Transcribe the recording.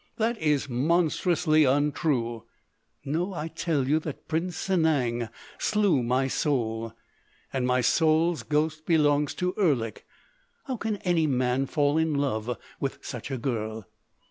"That is monstrously untrue——" "No. I tell you that Prince Sanang slew my soul. And my soul's ghost belongs to Erlik. How can any man fall in love with such a girl?"